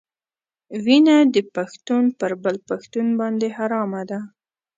وینه د پښتون پر بل پښتون باندې حرامه ده.